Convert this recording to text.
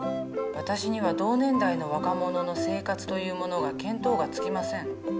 私には同年代の若者の生活というものが見当がつきません。